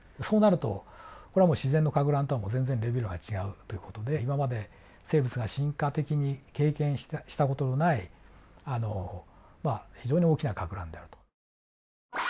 そうなるとこれは自然のかく乱とはもう全然レベルが違うという事で今まで生物が進化的に経験した事のないまあ非常に大きなかく乱であると。